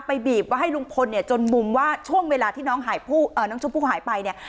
ไปบีบว่าให้ลุงพลเนี่ยจนมุมว่าช่วงเวลาที่น้องหายผู้เอ่อน้องชมพู่หายไปเนี่ย